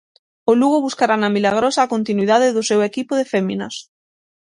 O Lugo buscará na Milagrosa a continuidade do seu equipo de féminas.